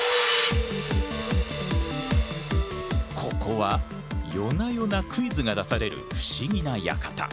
ここは夜な夜なクイズが出される不思議な館。